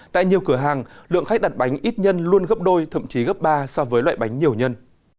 tại nhiều cửa hàng lượng khách đặt bánh ít nhân luôn gấp đôi thậm chí gấp ba so với loại bánh nhiều nhân